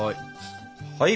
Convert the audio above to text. はい。